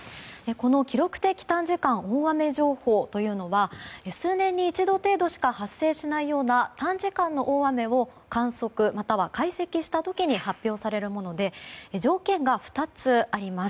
この記録的短時間大雨情報というのは数年に一度程度しか発生しないような短時間の大雨を観測または解析した時に発表されるもので条件が２つあります。